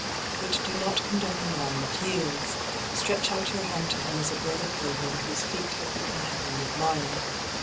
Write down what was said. But do not condemn the man that yields; stretch out your hand to him as a brother pilgrim whose feet have become heavy with mire.